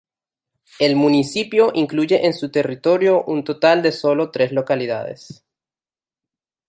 El municipio incluye en su territorio un total de solo tres localidades.